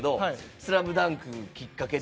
「スラムダンク」きっかけって。